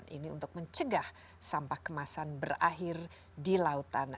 ini untuk mencegah sampah kemasan berakhir di lautan